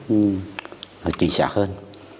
nó chính xác hơn